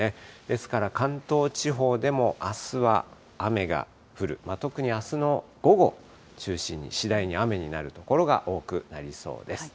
ですから関東地方でもあすは雨が降る、特にあすの午後中心に、次第に雨になる所が多くなりそうです。